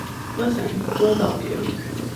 Listen, we’ll help you.